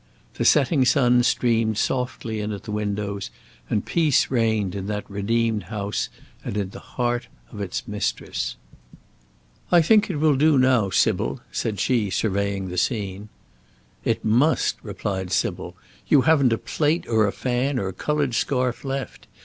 The setting sun streamed softly in at the windows, and peace reigned in that redeemed house and in the heart of its mistress. "I think it will do now, Sybil," said she, surveying the scene. "It must," replied Sybil. "You haven't a plate or a fan or coloured scarf left.